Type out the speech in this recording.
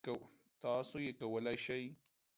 تاسو یې کولی شئ!